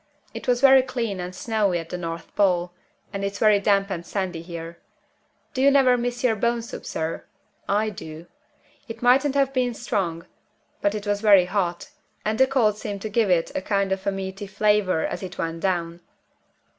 It was very clean and snowy at the North Pole and it's very damp and sandy here. Do you never miss your bone soup, sir? I do. It mightn't have been strong; but it was very hot; and the cold seemed to give it a kind of a meaty flavor as it went down.